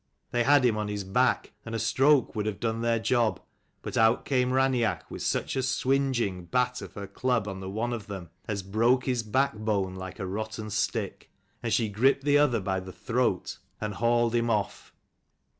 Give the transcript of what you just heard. They had him on his back, and a stroke would have done their job; but out came Raineach with such a swingeing batt of her club on the one of them, as broke his backbone like a rotten stick ; and she gripped the other by the throat and hauled 278 him off.